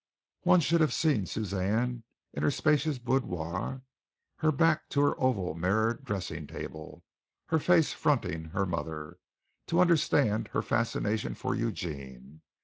One should have seen Suzanne, in her spacious boudoir, her back to her oval mirrored dressing table, her face fronting her mother, to understand her fascination for Eugene.